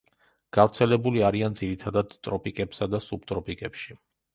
გავრცელებული არიან ძირითადად ტროპიკებსა და სუბტროპიკებში.